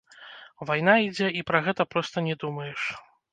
Вайна ідзе і пра гэта проста не думаеш.